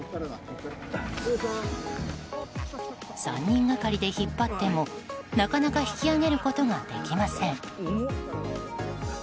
３人がかりで引っ張ってもなかなか引き上げることができません。